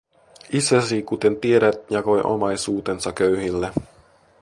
Isäsi, kuten tiedät, jakoi omaisuutensa köyhille.